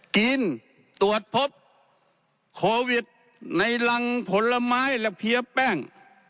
กินตรวจพบโควิดในรังผลไม้และเพี้ยแป้ง